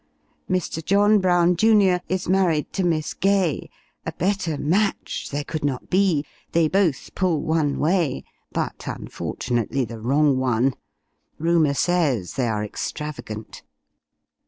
Mr. John Brown, Junr., is married to Miss Gay; a better match there could not be they both pull one way; but, unfortunately the wrong one rumour says they are extravagant.